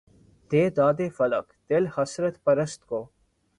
دے داد اے فلک! دلِ حسرت پرست کو